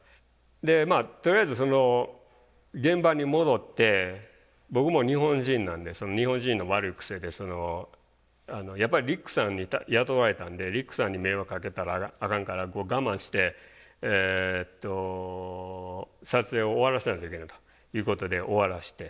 でまあとりあえずその現場に戻って僕も日本人なんでその日本人の悪い癖でやっぱりリックさんに雇われたんでリックさんに迷惑かけたらあかんから我慢して撮影を終わらせなきゃいけないということで終わらせて。